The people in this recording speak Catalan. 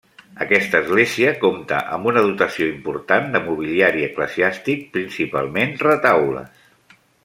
Aquesta església compta amb una dotació important de mobiliari eclesiàstic, principalment retaules.